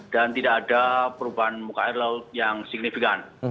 dan tidak ada perubahan muka air laut yang signifikan